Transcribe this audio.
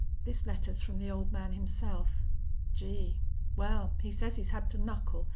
This letter's from the old man himself. Gee!... Well, he says he's had to knuckle.